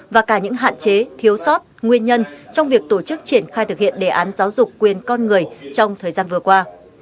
và cả những hạn chế thiếu sót nguyên nhân trong việc tổ chức triển khai thực hiện đề án giáo dục quyền con người trong thời gian vừa qua